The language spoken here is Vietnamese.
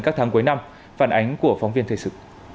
các tháng cuối năm phản ánh của phóng viên thời sự